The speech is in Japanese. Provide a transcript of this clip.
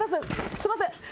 すみません！